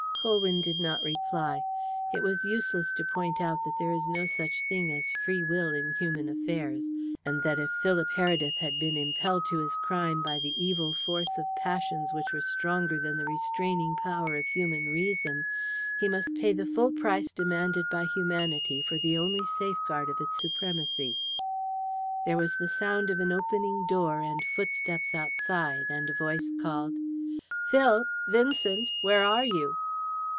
Colwyn did not reply. It was useless to point out that there is no such thing as free will in human affairs, and that if Philip Heredith had been impelled to his crime by the evil force of passions which were stronger than the restraining power of human reason, he must pay the full price demanded by humanity for the only safeguard of its supremacy. There was the sound of an opening door and footsteps outside, and a voice called: "Phil! Vincent! Where are you?"